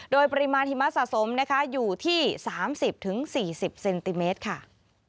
โดยปริมาณหิมะสะสมนะคะอยู่ที่๓๐๔๐เซนติเมตรค่ะ